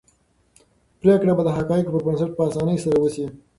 پرېکړه به د حقایقو پر بنسټ په اسانۍ سره وشي.